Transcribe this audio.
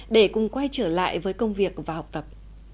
để cùng quay trở lại với công việc và học tập